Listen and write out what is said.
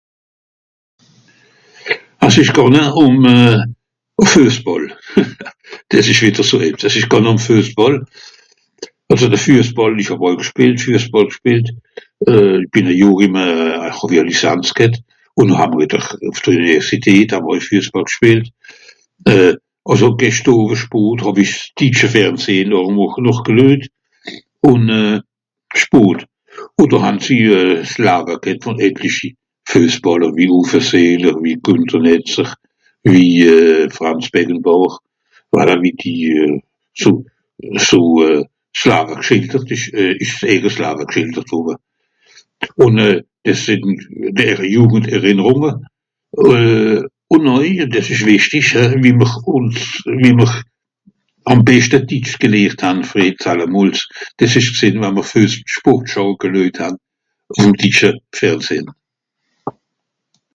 Es ìsch gànge ùm euh... Füesbàll. Dìs ìmmer so ebbs. Dìs ìsch gànge ùm Füesbàll. Àlso de Füesbàll ìsch au gspìelt, Füesbàll gspìelt. Bìn e Johr ìm e... hàw-i e lisanz ghet. Ùn ha mr (...) ùff dr Üniversität ha mr oei Füesbàll gspìelt. Euh... àlso gescht Owe spot hàw-i s'ditsche Fernsehn au noch... noch geluejt. (...). Ùn do han sie euh... s'Lawe ghet vùn etlichi Füesbàller wie ùffe sìnn ùn wie (...), wie (...), voilà wie die euh... so... so euh... s'Lawe (...). ùn euh... dìs het Jùgenderrìnnerùnge. Ùn oei, dìs ìsch wìchtisch, wie mr ùns... wie mr àm beschte ditsch gelehrt han, sallamols. Dìs ìsch gsìnn wenn mr Füess... Sportshow geluejt han àm ditsche Fernsehn.